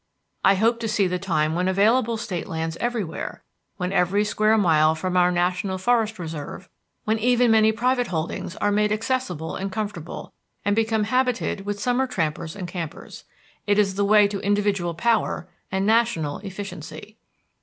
I hope to see the time when available State lands everywhere, when every square mile from our national forest reserve, when even many private holdings are made accessible and comfortable, and become habited with summer trampers and campers. It is the way to individual power and national efficiency.